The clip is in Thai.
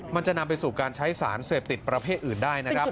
มันจะนำไปสู่การใช้สารเสพติดประเภทอื่นได้นะครับ